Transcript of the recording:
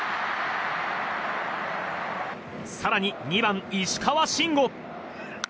更に２番、石川慎吾。